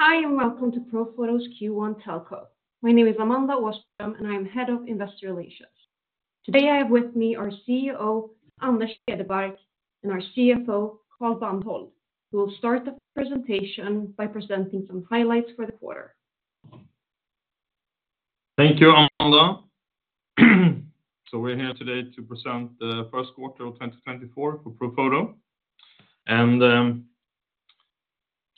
Hi and welcome to Profoto's Q1 Telco. My name is Amanda Åström, and I am Head of Investor Relations. Today I have with me our CEO Anders Hedebark and our CFO Carl Bandhold, who will start the presentation by presenting some highlights for the quarter. Thank you, Amanda. So we're here today to present the first quarter of 2024 for Profoto. And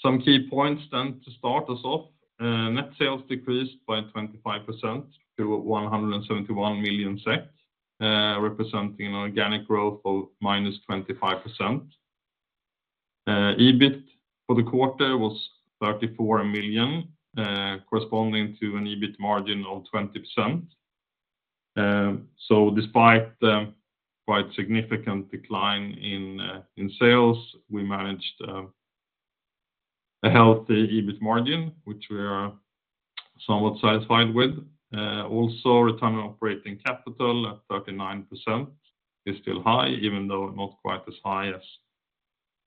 some key points then to start us off: net sales decreased by 25% to 171 million SEK, representing an organic growth of -25%. EBIT for the quarter was 34 million, corresponding to an EBIT margin of 20%. So despite quite significant decline in sales, we managed a healthy EBIT margin, which we are somewhat satisfied with. Also, return on operating capital at 39% is still high, even though not quite as high as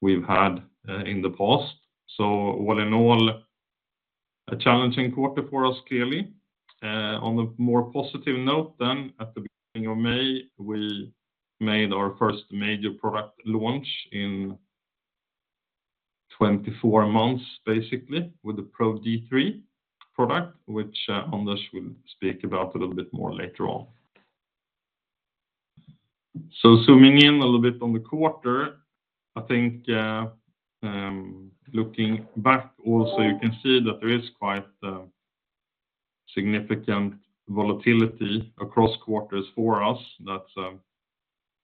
we've had in the past. So all in all, a challenging quarter for us, clearly. On the more positive note then, at the beginning of May, we made our first major product launch in 24 months, basically, with the Pro-D3 product, which Anders will speak about a little bit more later on. So zooming in a little bit on the quarter, I think looking back also, you can see that there is quite significant volatility across quarters for us. That's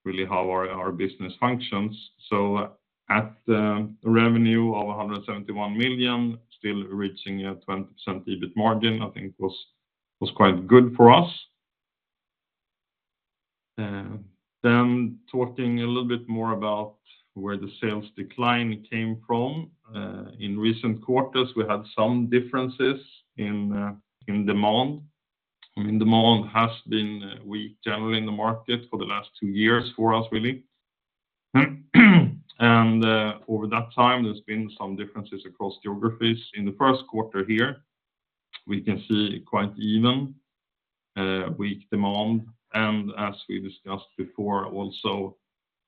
really how our business functions. So at a revenue of 171 million, still reaching a 20% EBIT margin, I think was quite good for us. Then talking a little bit more about where the sales decline came from. In recent quarters, we had some differences in demand. I mean, demand has been weak generally in the market for the last two years for us, really. And over that time, there's been some differences across geographies. In the first quarter here, we can see quite even weak demand. And as we discussed before, also,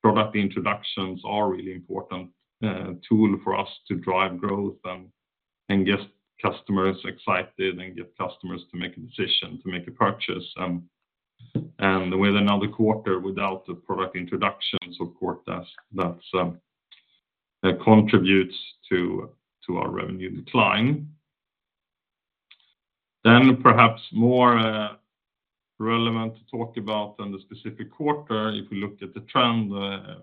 product introductions are a really important tool for us to drive growth and get customers excited and get customers to make a decision, to make a purchase. With another quarter without the product introductions, of course, that contributes to our revenue decline. Perhaps more relevant to talk about than the specific quarter, if we look at the trend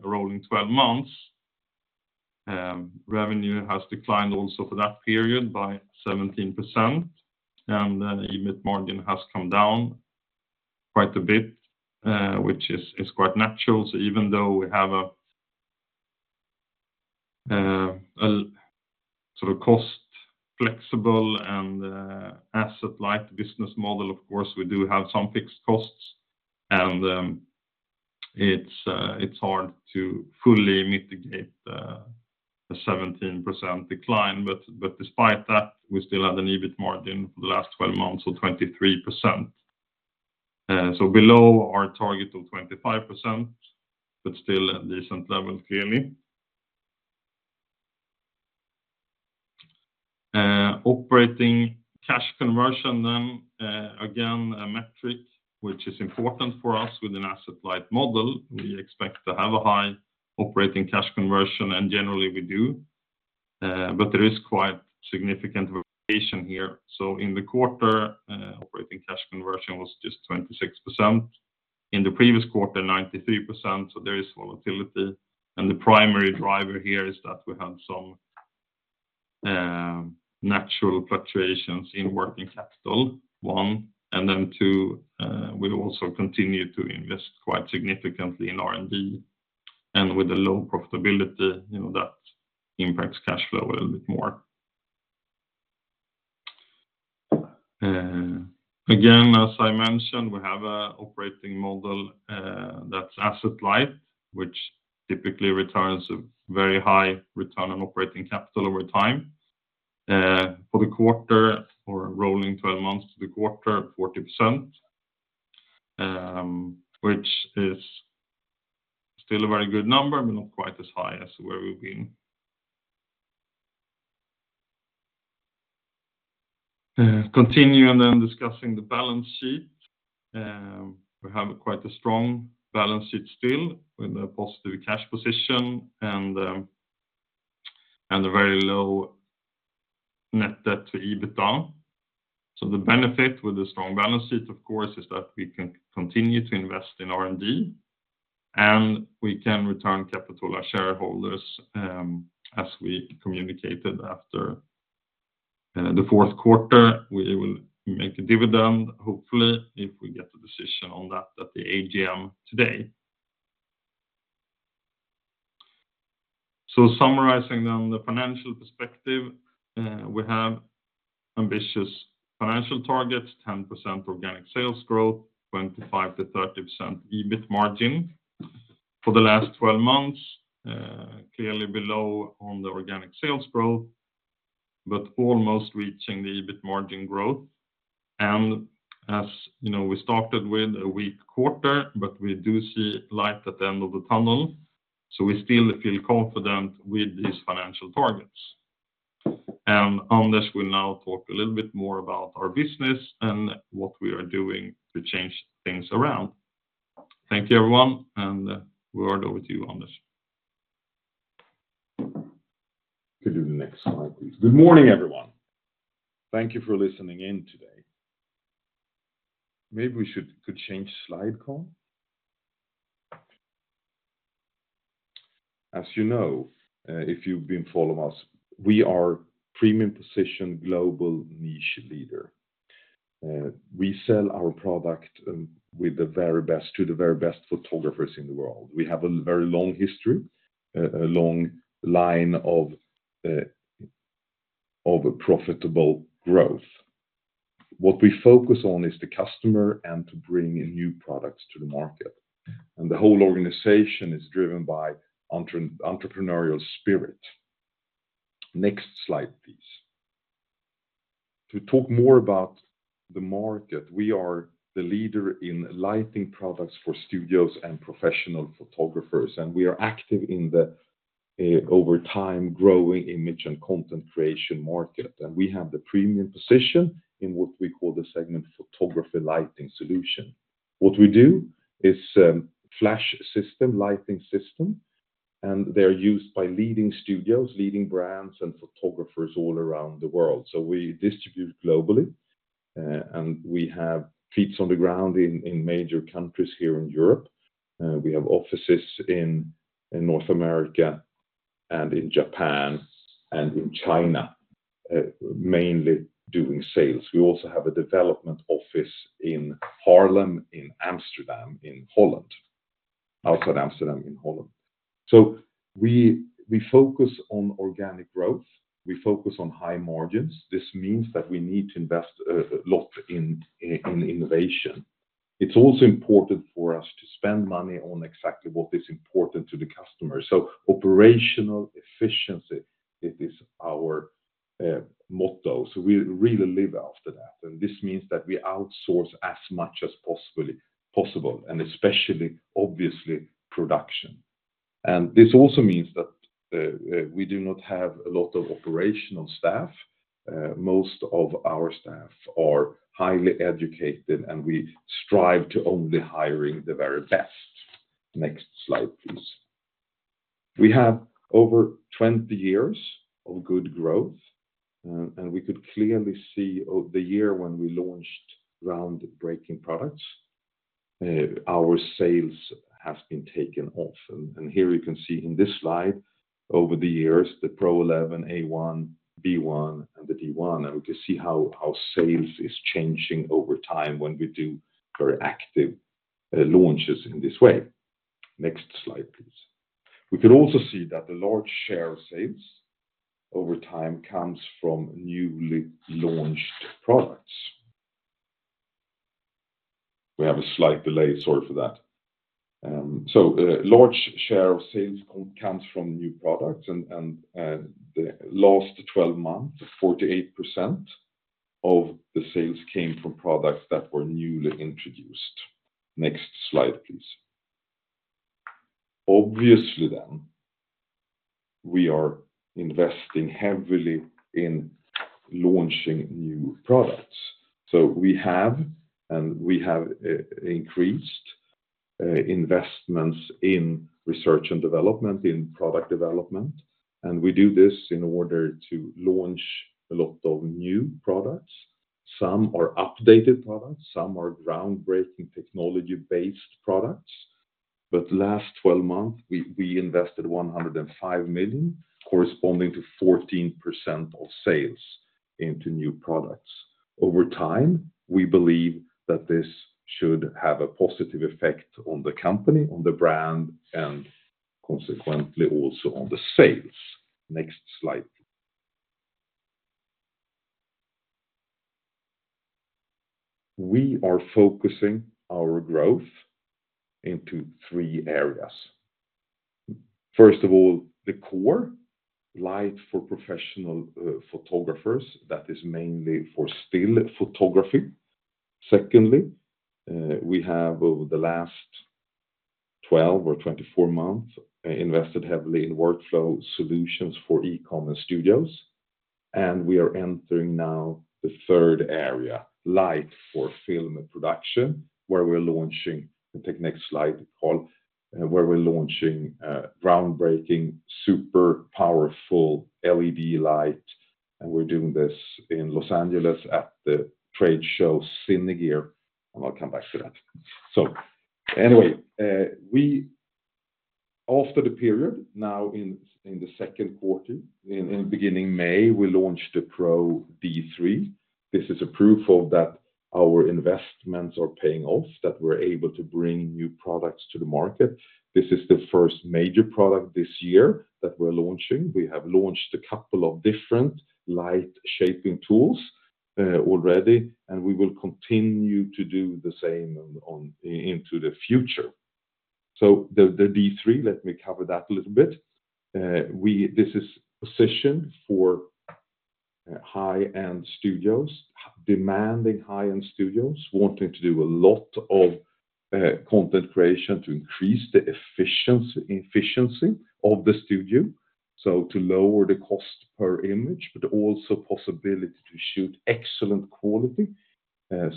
rolling 12 months, revenue has declined also for that period by 17%. The EBIT margin has come down quite a bit, which is quite natural. Even though we have a sort of cost-flexible and asset-light business model, of course, we do have some fixed costs. It's hard to fully mitigate a 17% decline. But despite that, we still had an EBIT margin for the last 12 months of 23%. Below our target of 25%, but still at a decent level, clearly. Operating cash conversion then, again, a metric which is important for us with an asset-light model. We expect to have a high operating cash conversion, and generally we do. There is quite significant variation here. In the quarter, operating cash conversion was just 26%. In the previous quarter, 93%. There is volatility. The primary driver here is that we had some natural fluctuations in working capital, one. Then two, we also continued to invest quite significantly in R&D. With a low profitability, that impacts cash flow a little bit more. Again, as I mentioned, we have an operating model that's asset-light, which typically returns a very high return on operating capital over time. For the quarter, or rolling 12 months to the quarter, 40%, which is still a very good number, but not quite as high as where we've been. Continuing, then, discussing the balance sheet, we have quite a strong balance sheet still with a positive cash position and a very low net debt to EBITDA. So the benefit with a strong balance sheet, of course, is that we can continue to invest in R&D. And we can return capital to our shareholders, as we communicated after the fourth quarter. We will make a dividend, hopefully, if we get a decision on that at the AGM today. So summarizing then the financial perspective, we have ambitious financial targets: 10% organic sales growth, 25%-30% EBIT margin for the last 12 months, clearly below on the organic sales growth, but almost reaching the EBIT margin growth. And as we started with, a weak quarter, but we do see light at the end of the tunnel. So we still feel confident with these financial targets. And Anders will now talk a little bit more about our business and what we are doing to change things around. Thank you, everyone. And the word over to you, Anders. Could you do the next slide, please? Good morning, everyone. Thank you for listening in today. Maybe we could change slide, Carl. As you know, if you've been following us, we are a premium position global niche leader. We sell our product to the very best photographers in the world. We have a very long history, a long line of profitable growth. What we focus on is the customer and to bring new products to the market. The whole organization is driven by entrepreneurial spirit. Next slide, please. To talk more about the market, we are the leader in lighting products for studios and professional photographers. We are active in the ever-growing image and content creation market. We have the premium position in what we call the segment photography lighting solution. What we do is a flash system, lighting system. And they are used by leading studios, leading brands, and photographers all around the world. So we distribute globally. And we have feet on the ground in major countries here in Europe. We have offices in North America and in Japan and in China, mainly doing sales. We also have a development office in Haarlem, in Amsterdam, in Holland, outside Amsterdam, in Holland. So we focus on organic growth. We focus on high margins. This means that we need to invest a lot in innovation. It's also important for us to spend money on exactly what is important to the customer. So operational efficiency, it is our motto. So we really live after that. And this means that we outsource as much as possible, and especially, obviously, production. And this also means that we do not have a lot of operational staff. Most of our staff are highly educated, and we strive to only hire the very best. Next slide, please. We have over 20 years of good growth. We could clearly see the years when we launched groundbreaking products; our sales have taken off. Here you can see in this slide, over the years, the Pro-11, A1, B1, and the D1. We can see how sales is changing over time when we do very active launches in this way. Next slide, please. We could also see that the large share of sales over time comes from newly launched products. We have a slight delay, sorry for that. A large share of sales comes from new products. In the last 12 months, 48% of the sales came from products that were newly introduced. Next slide, please. Obviously, we are investing heavily in launching new products. So we have, and we have increased investments in research and development, in product development. And we do this in order to launch a lot of new products. Some are updated products. Some are groundbreaking technology-based products. But last 12 months, we invested 105 million, corresponding to 14% of sales into new products. Over time, we believe that this should have a positive effect on the company, on the brand, and consequently also on the sales. Next slide. We are focusing our growth into three areas. First of all, the core, light for professional photographers. That is mainly for still photography. Secondly, we have, over the last 12 or 24 months, invested heavily in workflow solutions for e-commerce studios. And we are entering now the third area, light for film production, where we're launching, take the next slide, where we're launching groundbreaking, super powerful LED light. We're doing this in Los Angeles at the trade show, Cine Gear. I'll come back to that. So anyway, after the period, now in the second quarter, in the beginning of May, we launched the Pro-D3. This is a proof of that our investments are paying off, that we're able to bring new products to the market. This is the first major product this year that we're launching. We have launched a couple of different light shaping tools already. And we will continue to do the same into the future. So the D3, let me cover that a little bit. This is positioned for high-end studios, demanding high-end studios, wanting to do a lot of content creation to increase the efficiency of the studio, so to lower the cost per image, but also the possibility to shoot excellent quality.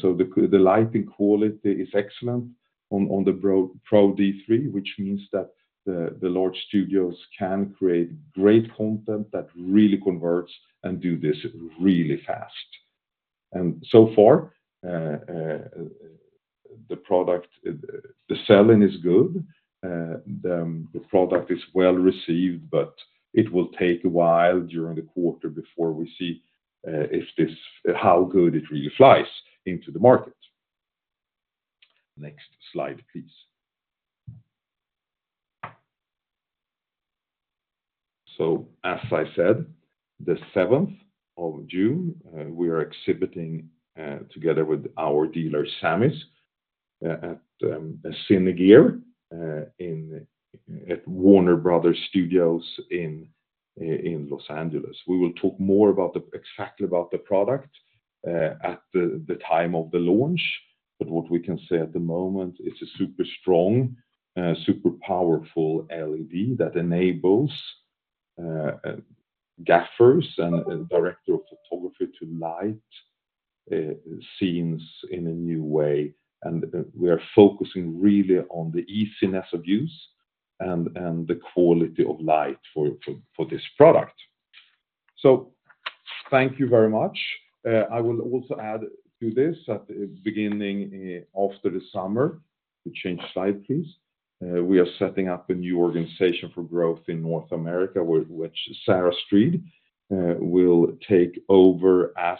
So the lighting quality is excellent on the Pro-D3, which means that the large studios can create great content that really converts and do this really fast. And so far, the selling is good. The product is well received, but it will take a while during the quarter before we see how good it really flies into the market. Next slide, please. So as I said, the 7th of June, we are exhibiting together with our dealer, Samy's, at Cine Gear at Warner Bros. Studios in Los Angeles. We will talk more about exactly about the product at the time of the launch. But what we can say at the moment is a super strong, super powerful LED that enables gaffers and directors of photography to light scenes in a new way. And we are focusing really on the easiness of use and the quality of light for this product. So thank you very much. I will also add to this at the beginning, after the summer, change slide, please, we are setting up a new organization for growth in North America, which Sara Strid will take over as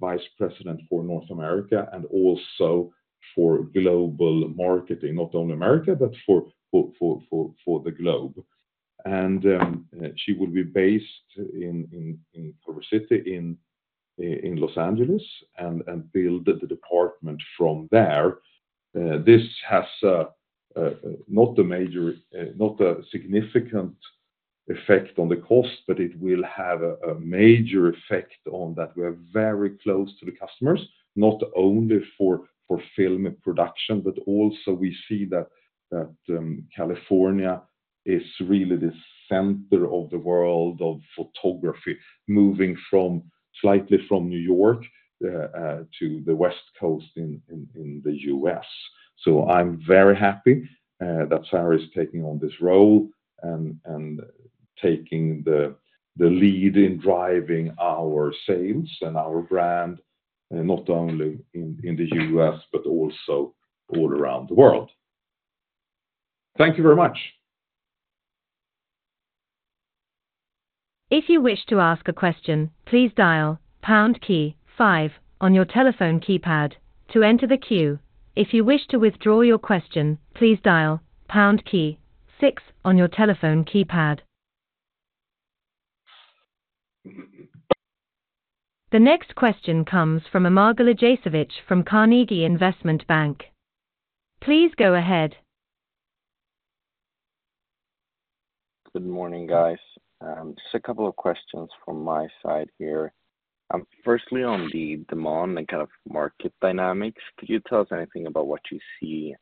Vice President for North America and also for global marketing, not only America, but for the globe. And she will be based in Culver City, in Los Angeles, and build the department from there. This has not a significant effect on the cost, but it will have a major effect on that. We are very close to the customers, not only for film production, but also we see that California is really the center of the world of photography, moving slightly from New York to the West Coast in the U.S. I'm very happy that Sara is taking on this role and taking the lead in driving our sales and our brand, not only in the U.S., but also all around the world. Thank you very much. If you wish to ask a question, please dial pound key five on your telephone keypad to enter the queue. If you wish to withdraw your question, please dial pound key six on your telephone keypad. The next question comes from Amar Galijasevic from Carnegie Investment Bank. Please go ahead. Good morning, guys. Just a couple of questions from my side here. Firstly, on the demand and kind of market dynamics, could you tell us anything about what you see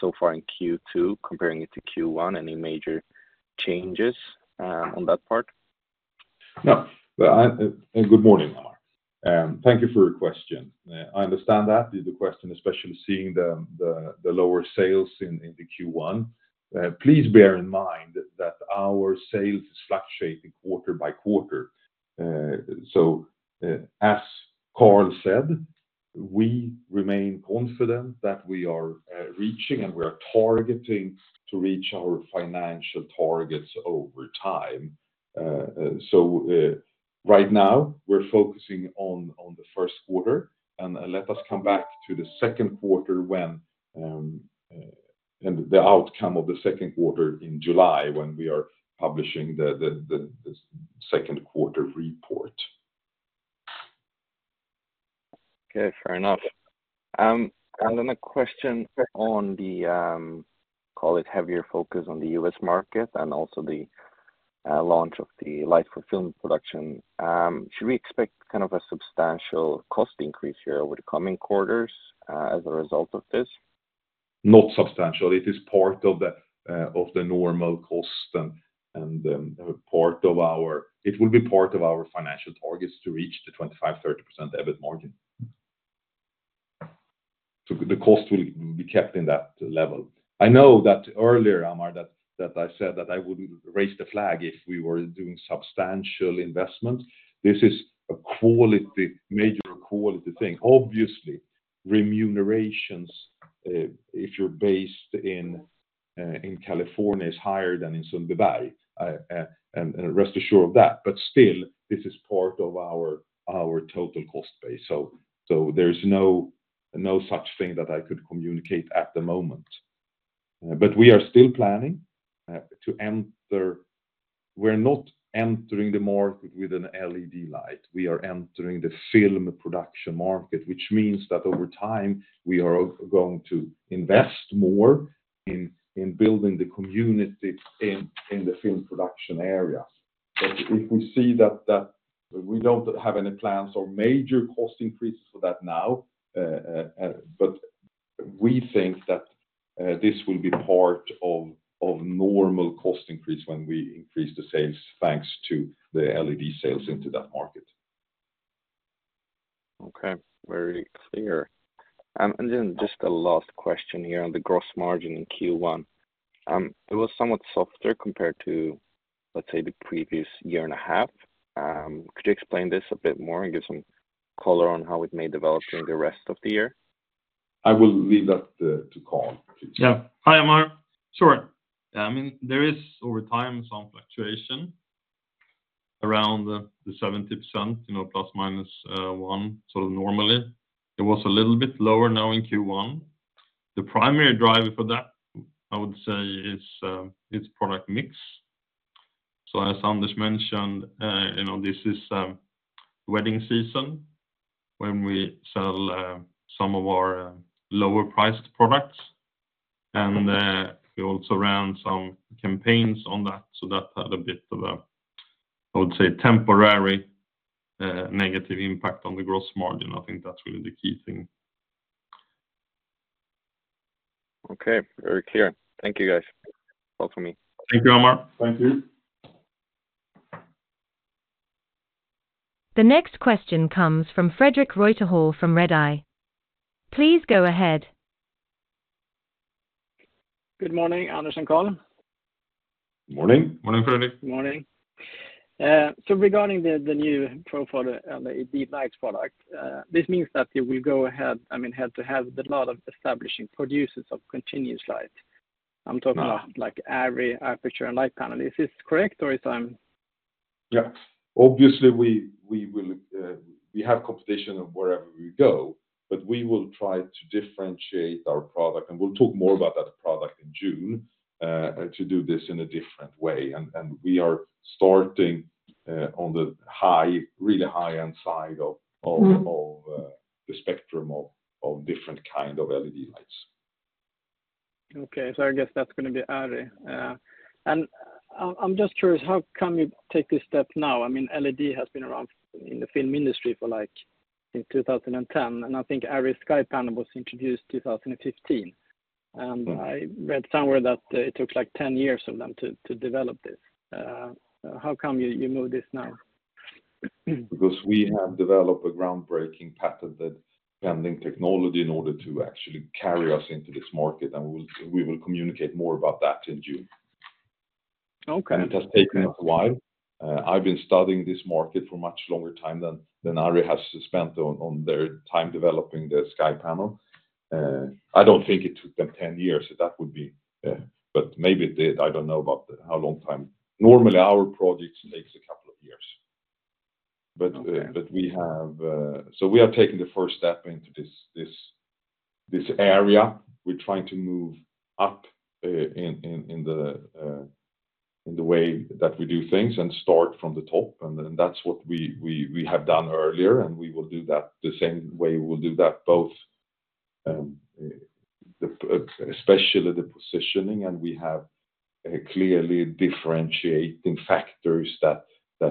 so far in Q2 comparing it to Q1, any major changes on that part? Yeah. Good morning, Amar. Thank you for your question. I understand that, the question, especially seeing the lower sales in the Q1. Please bear in mind that our sales fluctuate quarter by quarter. So as Carl said, we remain confident that we are reaching and we are targeting to reach our financial targets over time. So right now, we're focusing on the first quarter. And let us come back to the second quarter and the outcome of the second quarter in July when we are publishing the second quarter report. Okay, fair enough. And then a question on the, call it, heavier focus on the U.S. market and also the launch of the light for film production. Should we expect kind of a substantial cost increase here over the coming quarters as a result of this? Not substantial. It is part of the normal cost and part of our—it will be part of our financial targets to reach the 25%-30% EBIT margin. The cost will be kept in that level. I know that earlier, Amar, that I said that I would raise the flag if we were doing substantial investments. This is a major quality thing. Obviously, remunerations, if you're based in California, is higher than in Sundbyberg, and rest assured of that. But still, this is part of our total cost base. So there's no such thing that I could communicate at the moment. But we are still planning to enter—we're not entering the market with an LED light. We are entering the film production market, which means that over time, we are going to invest more in building the community in the film production area. But if we see that we don't have any plans or major cost increases for that now, but we think that this will be part of normal cost increase when we increase the sales thanks to the LED sales into that market. Okay, very clear. And then just the last question here on the gross margin in Q1. It was somewhat softer compared to, let's say, the previous year and a half. Could you explain this a bit more and give some color on how it may develop during the rest of the year? I will leave that to Carl, please. Yeah. Hi, Amar. Sure. I mean, there is, over time, some fluctuation around the 70%, ±1, sort of normally. It was a little bit lower now in Q1. The primary driver for that, I would say, is product mix. So as Anders mentioned, this is wedding season when we sell some of our lower-priced products. And we also ran some campaigns on that. So that had a bit of a, I would say, temporary negative impact on the gross margin. I think that's really the key thing. Okay, very clear. Thank you, guys. Talk to me. Thank you, Amar. Thank you. The next question comes from Fredrik Reuterhäll from Redeye. Please go ahead. Good morning, Anders and Carl. Morning. Morning, Fredrik. Morning. So regarding the new profile and the LED light product, this means that you will go ahead, I mean, to have a lot of established producers of continuous light. I'm talking about ARRI, Aputure, and Litepanels. Is this correct, or is it? Yeah. Obviously, we have competition wherever we go, but we will try to differentiate our product. We'll talk more about that product in June to do this in a different way. We are starting on the really high-end side of the spectrum of different kinds of LED lights. Okay. So I guess that's going to be ARRI. And I'm just curious, how come you take this step now? I mean, LED has been around in the film industry since 2010. And I read somewhere that it took like 10 years for them to develop this. How come you move this now? Because we have developed a groundbreaking, patent-pending technology in order to actually carry us into this market. And we will communicate more about that in June. And it has taken us a while. I've been studying this market for a much longer time than ARRI has spent on their time developing the SkyPanel. I don't think it took them 10 years. But maybe it did. I don't know about how long time. Normally, our projects take a couple of years. But so we are taking the first step into this area. We're trying to move up in the way that we do things and start from the top. And that's what we have done earlier. And we will do that the same way. We will do that both, especially the positioning. And we have clearly differentiating factors that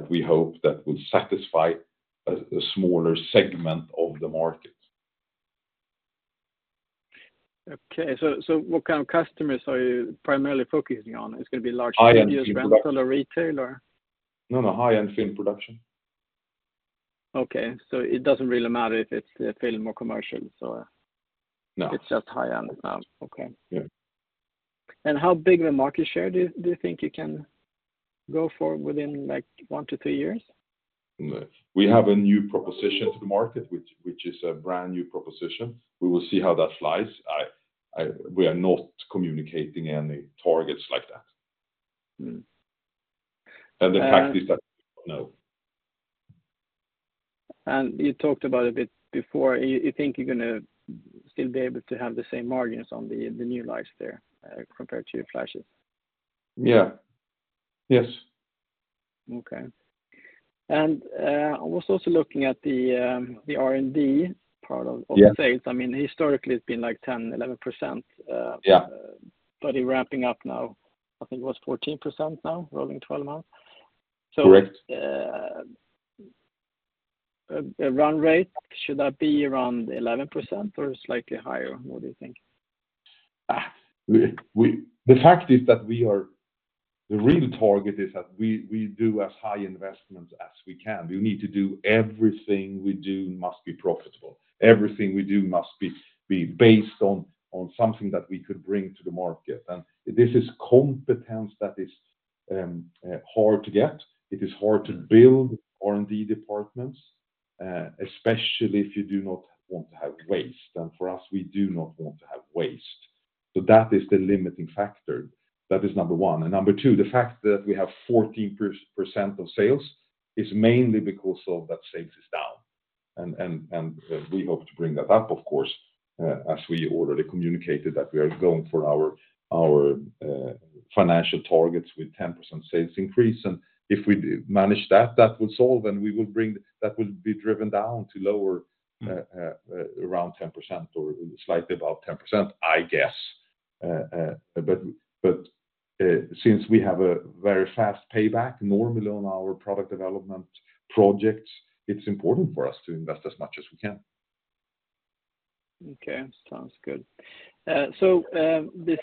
we hope will satisfy a smaller segment of the market. Okay. So what kind of customers are you primarily focusing on? It's going to be large studios, rental, or retail, or? No, no. High-end film production. Okay. So it doesn't really matter if it's film or commercial, so it's just high-end? No. Okay. And how big of a market share do you think you can go for within one to three years? We have a new proposition to the market, which is a brand new proposition. We will see how that flies. We are not communicating any targets like that. The fact is that we don't know. You talked about it a bit before. You think you're going to still be able to have the same margins on the new lights there compared to your flashes? Yeah. Yes. Okay. And I was also looking at the R&D part of the sales. I mean, historically, it's been like 10%, 11%. But you're wrapping up now. I think it was 14% now, rolling 12 months. So run rate, should that be around 11% or slightly higher? What do you think? The fact is that the real target is that we do as high investments as we can. We need to do everything we do must be profitable. Everything we do must be based on something that we could bring to the market. And this is competence that is hard to get. It is hard to build R&D departments, especially if you do not want to have waste. And for us, we do not want to have waste. So that is the limiting factor. That is number one. And number two, the fact that we have 14% of sales is mainly because of that sales is down. And we hope to bring that up, of course, as we already communicated that we are going for our financial targets with 10% sales increase. And if we manage that, that will solve. We will bring that will be driven down to lower around 10% or slightly above 10%, I guess. Since we have a very fast payback, normally on our product development projects, it's important for us to invest as much as we can. Okay. Sounds good. So this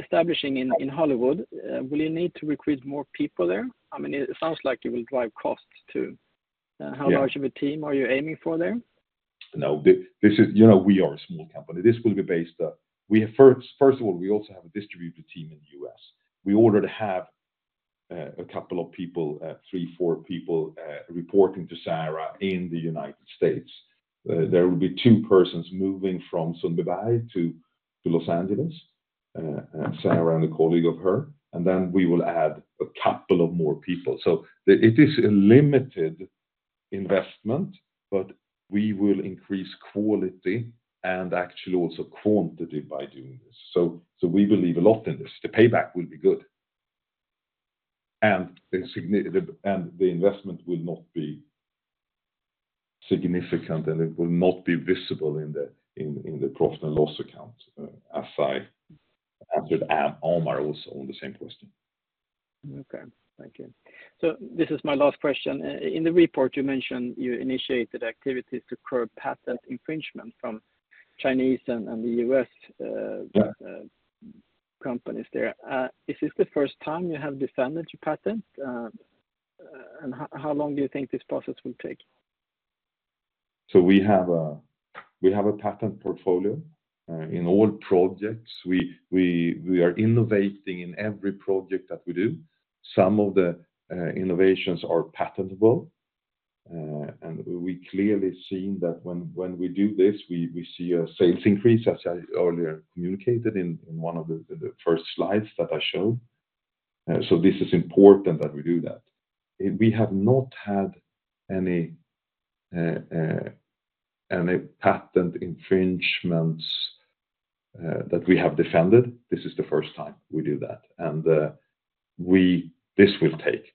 establishing in Hollywood, will you need to recruit more people there? I mean, it sounds like you will drive costs too. How large of a team are you aiming for there? No. We are a small company. This will be based on first of all, we also have a distributor team in the US. We already have a couple of people, 3, 4 people reporting to Sara in the United States. There will be 2 persons moving from Sundbyberg to Los Angeles, Sara and a colleague of her. And then we will add a couple of more people. So it is a limited investment, but we will increase quality and actually also quantity by doing this. So we believe a lot in this. The payback will be good. And the investment will not be significant, and it will not be visible in the profit and loss account, as I answered Amar also on the same question. Okay. Thank you. So this is my last question. In the report, you mentioned you initiated activities to curb patent infringement from Chinese and the US companies there. Is this the first time you have defended your patent? And how long do you think this process will take? So we have a patent portfolio. In all projects, we are innovating in every project that we do. Some of the innovations are patentable. And we clearly see that when we do this, we see a sales increase, as I earlier communicated in one of the first slides that I showed. So this is important that we do that. We have not had any patent infringements that we have defended. This is the first time we do that. And this will take.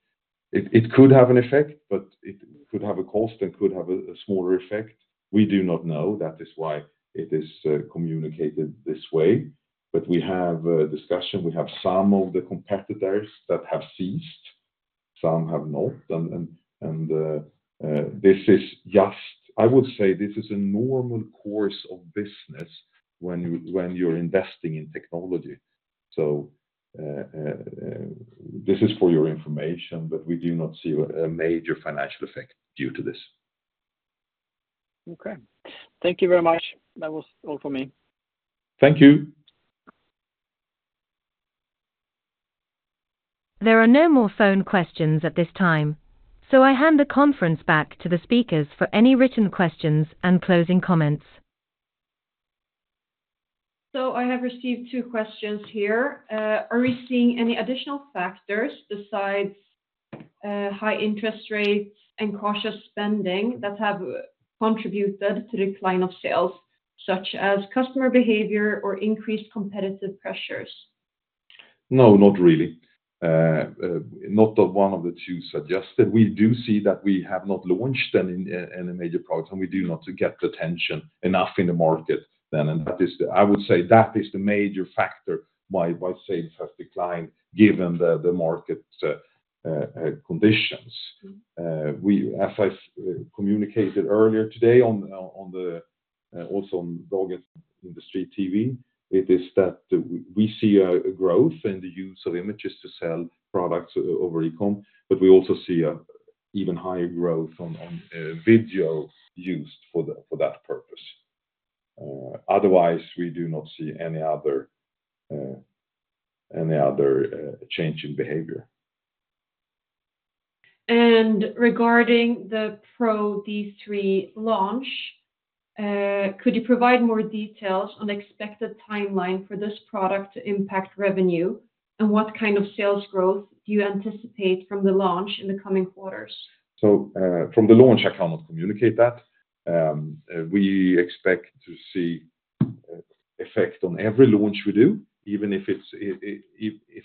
It could have an effect, but it could have a cost and could have a smaller effect. We do not know. That is why it is communicated this way. But we have a discussion. We have some of the competitors that have ceased. Some have not. And this is just I would say this is a normal course of business when you're investing in technology. This is for your information, but we do not see a major financial effect due to this. Okay. Thank you very much. That was all for me. Thank you. There are no more phone questions at this time, so I hand the conference back to the speakers for any written questions and closing comments. I have received two questions here. Are we seeing any additional factors besides high interest rates and cautious spending that have contributed to the decline of sales, such as customer behavior or increased competitive pressures? No, not really. Not one of the two suggested. We do see that we have not launched any major products, and we do not get the attention enough in the market then. I would say that is the major factor why sales have declined given the market conditions. As I communicated earlier today also on Dagens Industri TV, it is that we see growth in the use of images to sell products over e-com, but we also see even higher growth on video used for that purpose. Otherwise, we do not see any other change in behavior. Regarding the Pro-D3 launch, could you provide more details on the expected timeline for this product to impact revenue? And what kind of sales growth do you anticipate from the launch in the coming quarters? From the launch, I cannot communicate that. We expect to see an effect on every launch we do, even if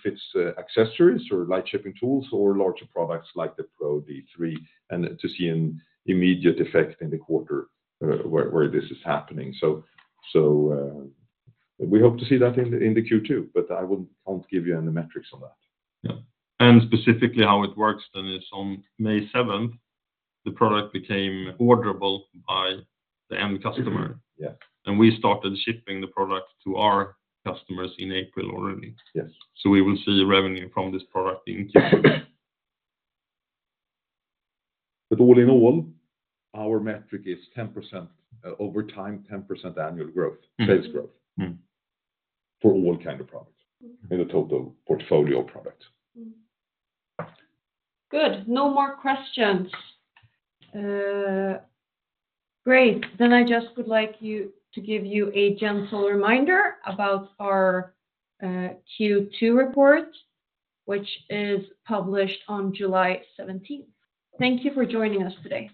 it's accessories or light shaping tools or larger products like the Pro-D3, and to see an immediate effect in the quarter where this is happening. So we hope to see that in the Q2, but I can't give you any metrics on that. Yeah. And specifically, how it works then is on May 7th, the product became orderable by the end customer. And we started shipping the product to our customers in April already. So we will see revenue from this product in Q2. All in all, our metric is over time, 10% annual growth, sales growth for all kinds of products in the total portfolio of products. Good. No more questions. Great. Then I just would like to give you a gentle reminder about our Q2 report, which is published on July 17th. Thank you for joining us today.